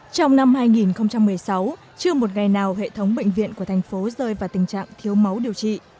trong năm hai nghìn một mươi sáu chưa một ngày nào hệ thống bệnh viện của thành phố rơi vào tình trạng thiếu máu điều trị